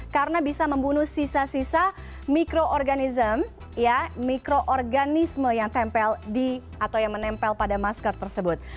karena bisa membunuh sisa sisa mikroorganisme yang menempel pada masker tersebut